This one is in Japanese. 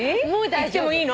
行ってもいいの？